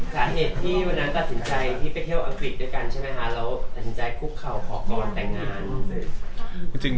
สาเหตุว่านั้นก็สินใจที่ไปเที่ยวอังกฤษด้วยกันใช่มั้ยคะ